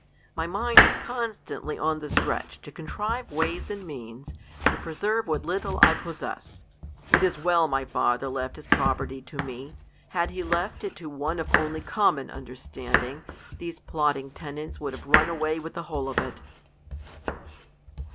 My mind is constantly on the stretch to contrive ways and means to preserve what little 9 2 THE COLUMBIAN ORATOR. little I possess. It is well my father left his property to me. Had he left it to one of only common under standing, these plotting tenants would have run away with the whole of it.